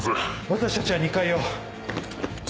私たちは２階を。